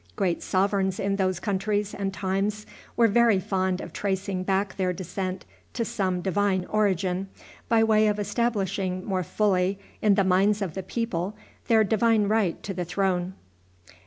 Great sovereigns in those countries and times were very fond of tracing back their descent to some divine origin, by way of establishing more fully in the minds of the people their divine right to the throne.